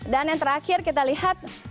dan yang terakhir kita lihat